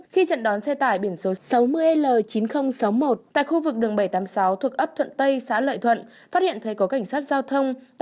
khi trận đón xe tải biển số sáu mươi l chín nghìn sáu mươi một tại khu vực đường bảy trăm tám mươi sáu thuộc ấp thuận tây xã lợi thuận phát hiện thấy có cảnh sát giao thông